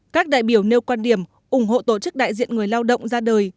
các đại biểu nêu quan điểm ủng hộ tổ chức đại diện người lao động ra đời